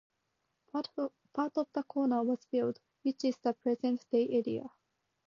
Part of the corner was rebuilt, which is the present day area.